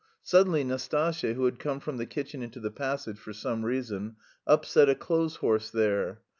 Suddenly Nastasya, who had come from the kitchen into the passage for some reason, upset a clothes horse there.